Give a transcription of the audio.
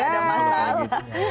terus ada masalah